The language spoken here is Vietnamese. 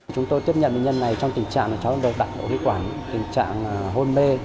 chúng tôi tiếp nhận bệnh nhân này trong tình trạng cháu đã đặt ống nội khí quản tình trạng hôn mê